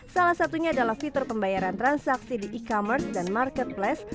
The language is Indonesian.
salah satunya adalah fitur pembayaran transaksi di e commerce dan marketplace